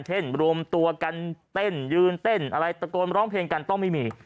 เช่นรวมตัวกันเต้นยืนเต้นอะไรตะโกนร้องเพลงกันต้องไม่มี